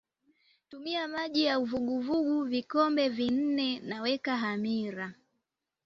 tumia maji ya uvuguvugu vikombe vinne na weka hamira